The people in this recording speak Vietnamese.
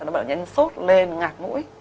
nó bảo nhân sốt lên ngạt mũi